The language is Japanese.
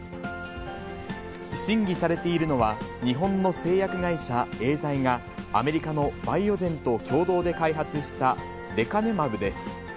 審議されているのは、日本の製薬会社、エーザイが、アメリカのバイオジェンと共同で開発した、レカネマブです。